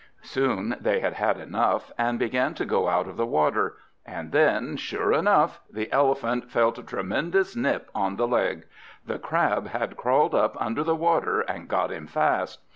Soon they had had enough, and began to go out of the water; and then, sure enough, the Elephant felt a tremendous nip on the leg. The Crab had crawled up under the water and got him fast.